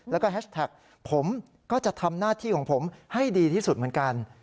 แล้วก็แฮชแท็กผมก็จะทำหน้าที่ของผมให้ดีที่สุดเหมือนกัน